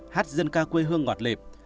hát dân ca quê hương ngọt lịp